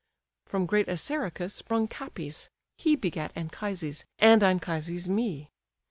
From great Assaracus sprang Capys, he Begat Anchises, and Anchises me.